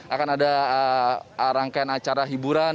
akan ada rangkaian acara hiburan